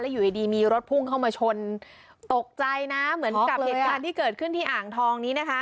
อยู่ดีมีรถพุ่งเข้ามาชนตกใจนะเหมือนกับเหตุการณ์ที่เกิดขึ้นที่อ่างทองนี้นะคะ